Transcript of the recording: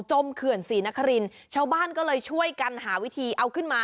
เขื่อนศรีนครินชาวบ้านก็เลยช่วยกันหาวิธีเอาขึ้นมา